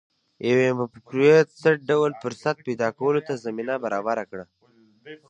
يوې مفکورې څه ډول فرصت پيدا کولو ته زمينه برابره کړه؟